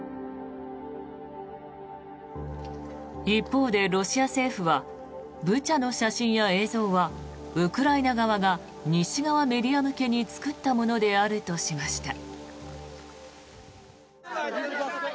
一方でロシア政府はブチャの写真や映像はウクライナ側が西側メディア向けに作ったものであるとしました。